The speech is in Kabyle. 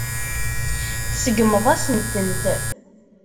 Tseggmeḍ-asen-tent.